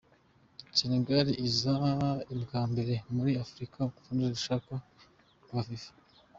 Senegal iza ubwa mbere muri Afrika ku rutonde rushasha rwa Fifa.